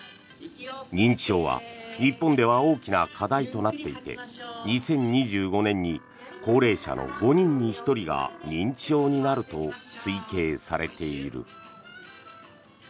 認知症は日本では大きな課題となっていて２０２５年に高齢者の５人に１人が認知症になると推計されている。